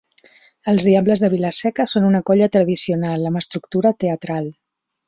Els Diables de Vila-seca són una colla tradicional, amb estructura teatral.